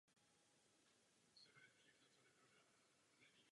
U základu tvoří krátká křidélka.